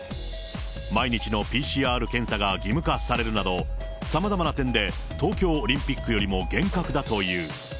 毎日のＰＣＲ検査が義務化されるなど、さまざまな点で、東京オリンピックよりも厳格だという。